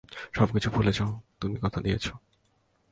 সবকিছু ভুলে যাও, তুমি কথা দিয়েছো।